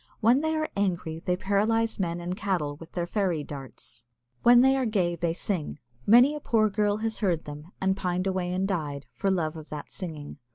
When they are angry they paralyse men and cattle with their fairy darts. When they are gay they sing. Many a poor girl has heard them, and pined away and died, for love of that singing.